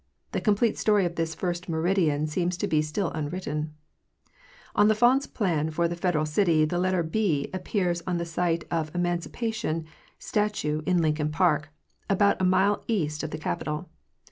The complete story of this first meridian seems to be still unwritten. On L'Enfant's plan for the Federal city the letter b appears on the site of the Emancipation statue in Lincoln park, about a mile east of the Capitol.